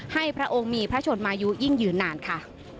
พระองค์มีพระชนมายุยิ่งยืนนานค่ะ